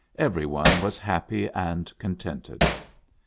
Every one was happy and contented.